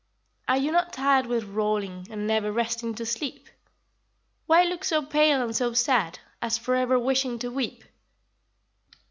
Are you not tired with rolling, and never Resting to sleep? Why look so pale and so sad, as forever Wishing to weep?